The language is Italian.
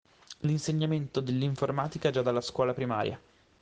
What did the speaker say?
L'insegnamento dell'informatica già dalla scuola primaria.